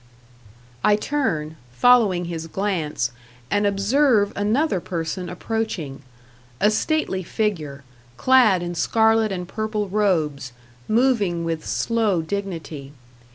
I turn, following his glance, and observe another person approaching a stately figure, clad in scarlet and purple robes, moving with slow dignity.